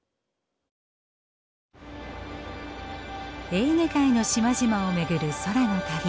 エーゲ海の島々を巡る空の旅。